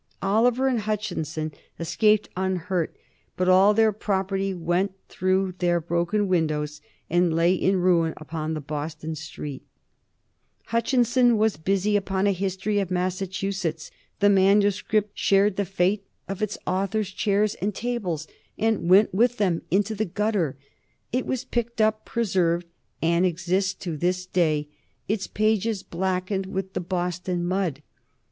Oliver and Hutchinson escaped unhurt, but all their property went through their broken windows and lay in ruin upon the Boston streets. Hutchinson was busy upon a History of Massachusetts; the manuscript shared the fate of its author's chairs and tables, and went with them out into the gutter. It was picked up, preserved, and exists to this day, its pages blackened with the Boston mud.